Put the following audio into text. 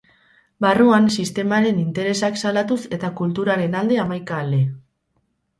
Barruan, sistemaren interesak salatuz eta kulturaren alde hamaika ale.